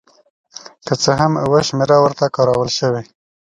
که څه هم اوه شمېره ورته کارول شوې.